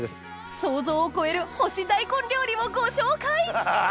想像を超える干し大根料理をご紹介